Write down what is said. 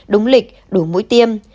đúng lịch đủ mũi tiêm